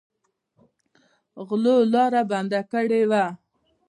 غلو لاره بنده کړې وه.